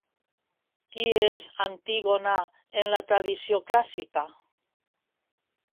Qui és Antígona en la tradició clàssica?